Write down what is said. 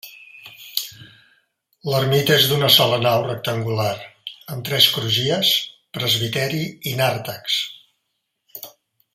L'ermita és d'una sola nau rectangular, amb tres crugies, presbiteri i nàrtex.